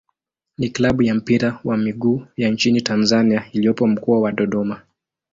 ni klabu ya mpira wa miguu ya nchini Tanzania iliyopo Mkoa wa Dodoma.